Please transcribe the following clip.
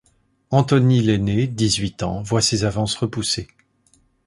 Anthony l'aîné, dix-huit ans, voit ses avances repoussées.